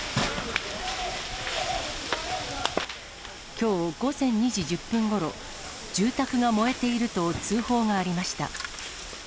きょう午前２時１０分ごろ、住宅が燃えていると通報がありました。